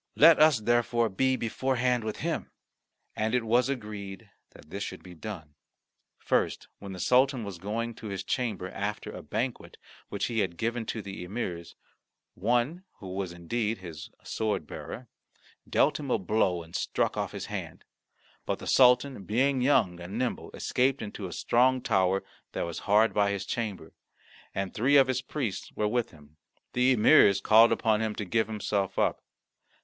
Let us therefore be beforehand with him." And it was agreed that this should be done. First, when the Sultan was going to his chamber after a banquet which he had given to the emirs, one, who was, indeed, his sword bearer, dealt him a blow and struck off his hand. But the Sultan, being young and nimble, escaped into a strong tower that was hard by his chamber, and three of his priests were with him. The emirs called upon him to give himself up.